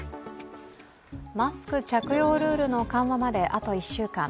マスク着用ルールの緩和まであと１週間。